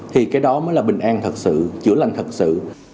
thì cái đó mới là bình an thật sự chữa lành thật sự